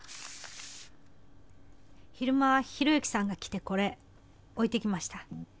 昼間ヒロユキさんが来てこれ置いていきました。